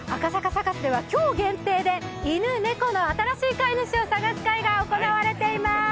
サカスでは今日限定で犬猫の新しい飼い主を探す会が行われています